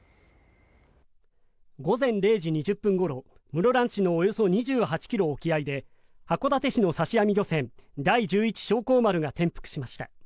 午前０時２０分ごろ室蘭市のおよそ２８ｋｍ沖合で函館市の刺し網漁船「第十一松光丸」が転覆しました。